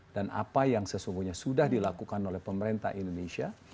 dan apa yang sesungguhnya sudah dilakukan oleh pemerintah indonesia